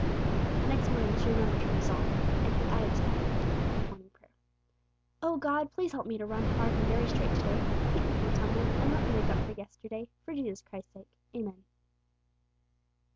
The next morning she remembered her resolve, and she added a silent petition to her morning prayer "Oh God, please help me to run hard and very straight to day. Keep me from tumbling, and let me make up for yesterday, for Jesus Christ's sake. Amen."